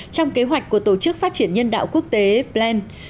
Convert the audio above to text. trong kế hoạch của tổ chức phát triển nhân đạo quốc tế pland